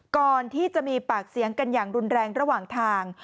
ก่อนที่จะมีปากเสียงกันอย่างรุนแรงระหว่างทาง